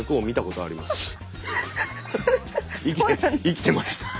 生きてました。